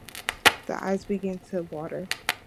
The eyes begin to water.